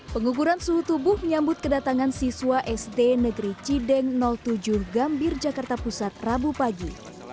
pengukuran suhu tubuh menyambut kedatangan siswa sd negeri cideng tujuh gambir jakarta pusat rabu pagi